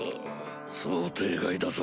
想定外だぞ。